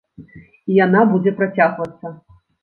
І яна будзе працягвацца.